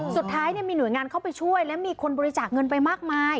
สุดท้ายมีหน่วยงานเข้าไปช่วยและมีคนบริจาคเงินไปมากมาย